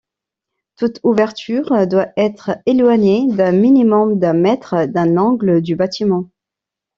Toute ouverture doit être éloignée d'un minimum d'un mètre d'un angle du bâtiment.